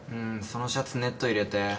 そのシャツネット入れて。